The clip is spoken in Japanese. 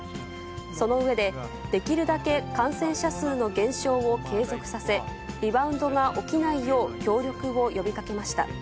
その上で、できるだけ感染者数の減少を継続させ、リバウンドが起きないよう協力を呼びかけました。